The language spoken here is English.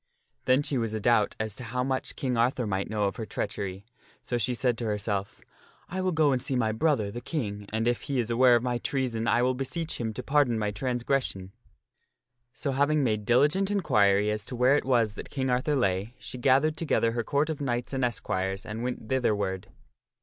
Then she wasa doubt as to how much King Arthur might know of her treachery, so she said to herself, " I will go and see my brother, the King , and if he is . J . Queen Morgana aware of my treason I will beseech him to pardon my trans cometk to King gression." So, having made diligent inquiry as to where it Arthur was that King Arthur lay, she gathered together her Court of knights and esquires and went thitherward.